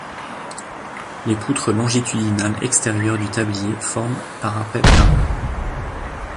Les poutres longitudinales extérieures du tablier forment parapets pleins.